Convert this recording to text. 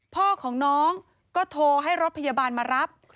พ่อของน้องก็โทรให้รถพยาบาลมารับ